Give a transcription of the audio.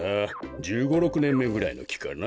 １５６ねんめぐらいのきかな。